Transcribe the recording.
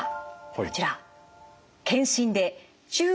こちら。